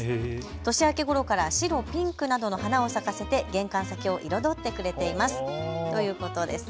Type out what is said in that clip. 年明けごろから白、ピンクなどの花を咲かせて玄関先を彩ってくれていますということです。